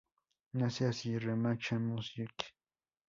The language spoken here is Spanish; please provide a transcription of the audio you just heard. Nace así Remache Music.